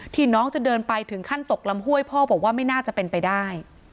น้องจะเดินไปถึงขั้นตกลำห้วยพ่อบอกว่าไม่น่าจะเป็นไปได้